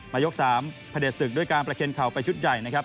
ยก๓พระเด็จศึกด้วยการประเคนเข่าไปชุดใหญ่นะครับ